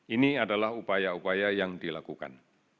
ini adalah upaya upaya yang dilakukan